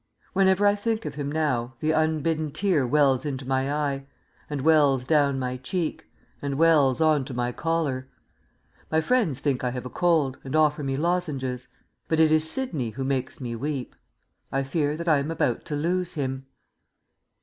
Whenever I think of him now, the unbidden tear wells into my eye ... and wells down my cheek ... and wells on to my collar. My friends think I have a cold, and offer me lozenges; but it is Sidney who makes me weep. I fear that I am about to lose him.